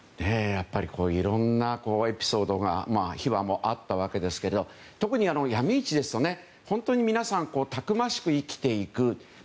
いろんなエピソードや秘話もあったわけですけど特に、ヤミ市ですと本当に皆さんたくましく生きていく。